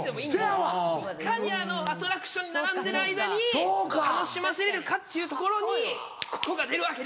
いかにあのアトラクションに並んでる間に楽しませれるかっていうところにここが出るわけです。